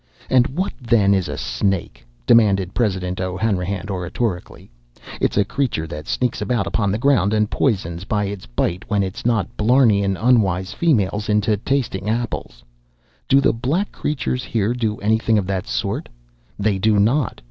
"And what, then, is a snake?" demanded President O'Hanrahan oratorically. "It's a creature that sneaks about upon the ground and poisons by its bite when it's not blarneyin' unwise females into tasting' apples. Do the black creatures here do anything of that sort? They do not!